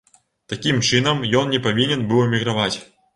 Такім чынам, ён не павінен быў эміграваць.